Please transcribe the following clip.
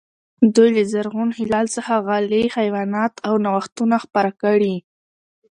دوی له زرغون هلال څخه غلې، حیوانات او نوښتونه خپاره کړي.